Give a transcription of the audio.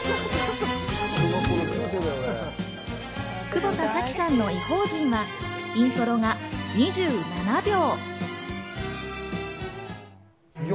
久保田早紀さんの『異邦人』はイントロが２７秒。